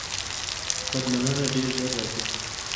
بدلونونه ډیر ژر راځي.